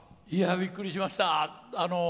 びっくりしました。